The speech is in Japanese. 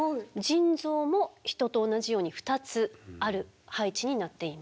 腎臓も人と同じように２つある配置になっています。